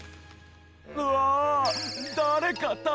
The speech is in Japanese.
うわ！